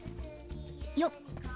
よっ。